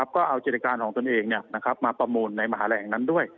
ก็เอาจิตการของตนเองมาประมูลในมาฮาลัย